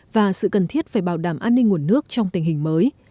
và sự cần thiết phải bảo đảm an ninh nguồn nước trong tình hình mới